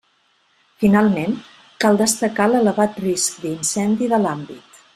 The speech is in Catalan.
Finalment, cal destacar l'elevat risc d'incendi de l'àmbit.